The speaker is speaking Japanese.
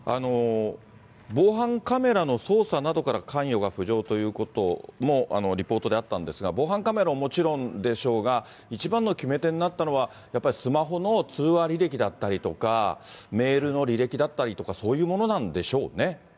防犯カメラの捜査などから関与が浮上ということもリポートであったんですが、防犯カメラはもちろんでしょうが、一番の決め手になったのは、やっぱりスマホの通話履歴だったりとか、メールの履歴だったりとか、そういうものなんでしょうね？